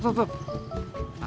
tidak ada ulang ya